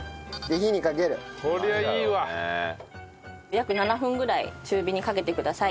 約７分ぐらい中火にかけてください。